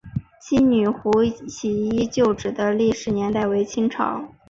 七女湖起义旧址的历史年代为清代。